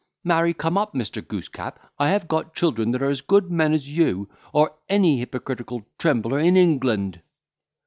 Marry come up, Mr. Goosecap, I have got children that are as good men as you, or any hypocritical trembler in England."